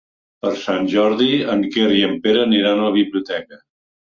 Per Sant Jordi en Quer i en Pere aniran a la biblioteca.